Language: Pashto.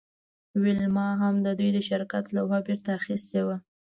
ویلما هم د دوی د شرکت لوحه بیرته اخیستې وه